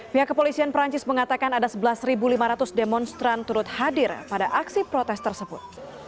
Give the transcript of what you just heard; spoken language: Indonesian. pihak kepolisian perancis mengatakan ada sebelas lima ratus demonstran turut hadir pada aksi protes tersebut